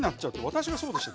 私がそうでした。